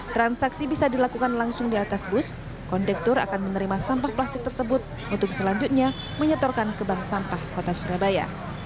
transaksi bisa dilakukan langsung di atas bus kondektur akan menerima sampah plastik tersebut untuk selanjutnya menyetorkan ke bank sampah kota surabaya